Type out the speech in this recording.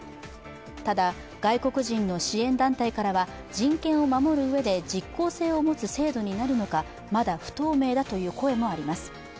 ただ外国人の支援団体からは、人権を守るうえで実効性を持つ制度になるのか、まだ不透明だという声もあります。